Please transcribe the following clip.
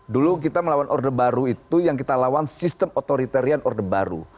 dulu kita melawan order baru itu yang kita lawan sistem otoritarian order baru